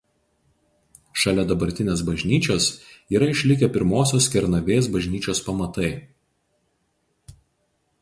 Šalia dabartinės bažnyčios yra išlikę pirmosios Kernavės bažnyčios pamatai.